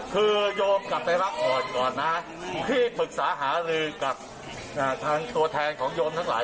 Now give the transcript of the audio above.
คือโยมกลับไปพักผ่อนก่อนนะที่ปรึกษาหาลือกับทางตัวแทนของโยมทั้งหลาย